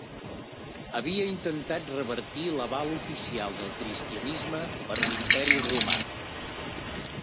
Havia intentat revertir l'aval oficial del cristianisme per l'Imperi Romà.